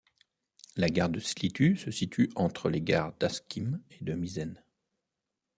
La gare de Slitu se situe entre les gares d'Askim et de Mysen.